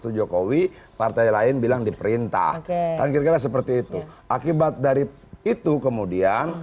tujuhowi partai lain bilang diperintah dan juga seperti itu akibat dari itu kemudian